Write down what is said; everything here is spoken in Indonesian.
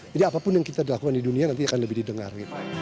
jadi apapun yang kita lakukan di dunia nanti akan lebih didengar